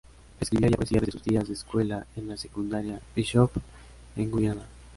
Escribía ya poesía desde sus días de escuela en la Secundaria Bishop´s, en Guyana.